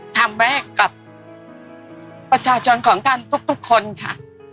ทำให้กับประชาชนของท่านทุกคนค่ะ